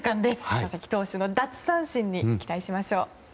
佐々木投手の奪三振に期待しましょう。